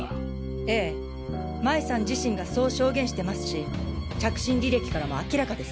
ええ麻衣さん自身がそう証言してますし着信履歴からも明らかです。